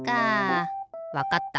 わかった。